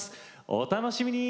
お楽しみに。